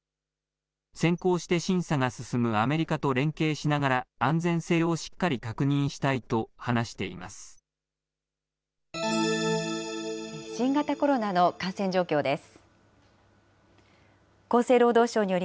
先行して審査が進むアメリカと連携しながら、安全性をしっかり確新型コロナの感染状況です。